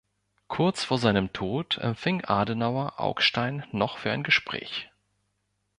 Kurz vor seinem Tod empfing Adenauer Augstein noch für ein Gespräch.